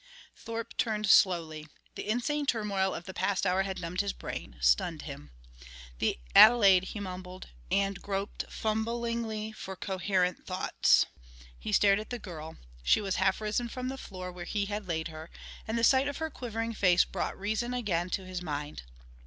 Thorpe turned slowly. The insane turmoil of the past hour had numbed his brain, stunned him. "The Adelaide " he mumbled, and groped fumblingly for coherent thoughts. He stared at the girl. She was half risen from the floor where he had laid her, and the sight of her quivering face brought reason again to his mind.